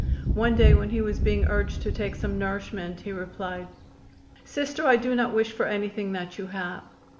One day when he was being urged to take some nourishment he replied: "Sister, I do not wish for anything that you have.